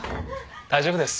大丈夫です。